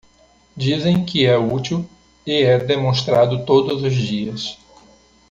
Dizem que é útil e é demonstrado todos os dias.